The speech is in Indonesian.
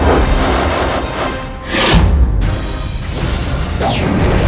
withun seperti ini